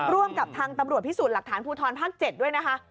ร่วมกับทางตำรวจพิสูจน์หลักฐานภูทรภาค๗ด้วยนะคะ